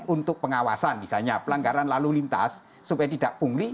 untuk pengawasan misalnya pelanggaran lalu lintas supaya tidak pungli